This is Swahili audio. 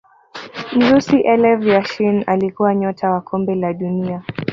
mrusi elev Yashin Alikuwa nyota wa kombe la dunia